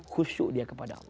khusyuk dia kepada allah